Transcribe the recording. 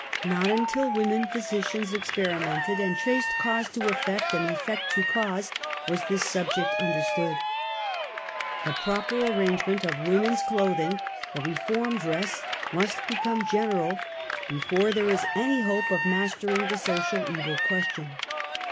'Not until women physicians experi mented and traced cause to effect and effect to cause, was this subject understood. The proper arrangement of woman's clothing (the reform dress) must become general, before there is SOCIAL EVIL. any hope of mastering the so.nal evil r|iiestion.